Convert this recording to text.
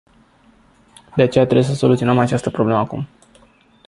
De aceea, trebuie să soluționăm această problemă acum.